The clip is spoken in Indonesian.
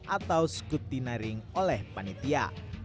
atau skutinaring oleh panitia